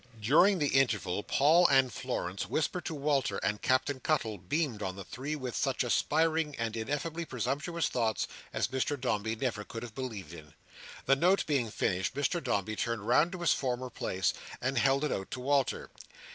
During the interval, Paul and Florence whispered to Walter, and Captain Cuttle beamed on the three, with such aspiring and ineffably presumptuous thoughts as Mr Dombey never could have believed in. The note being finished, Mr Dombey turned round to his former place, and held it out to Walter.